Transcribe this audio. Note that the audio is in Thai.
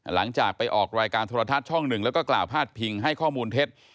หลังจากไปออกรายการโทรทัศน์ช่องหนึ่งแล้วก็กล่าวพาดพิงให้ข้อมูลเท็จ